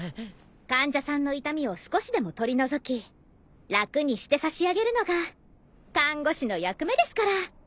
患者さんの痛みを少しでも取り除き楽にして差し上げるのが看護師の役目ですから。